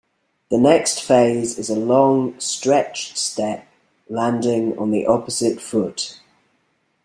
The next phase is a long stretched step, landing on the opposite foot.